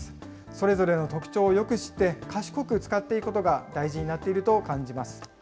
それぞれの特徴をよく知って、賢く使っていくことが大事になっていると感じます。